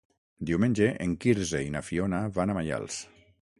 Diumenge en Quirze i na Fiona van a Maials.